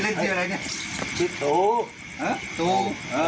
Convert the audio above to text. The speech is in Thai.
เลี่ยงที่อะไรนี่